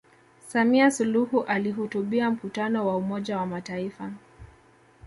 samia suluhu alihutubia mkutano wa umoja wa mataifa